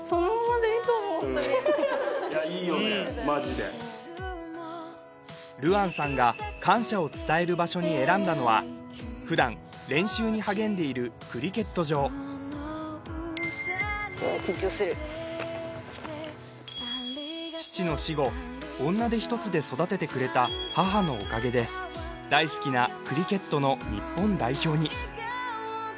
マジで流天さんが感謝を伝える場所に選んだのは普段練習に励んでいるクリケット場うわ緊張する父の死後女手一つで育ててくれた母のおかげで大好きなクリケットの日本代表に！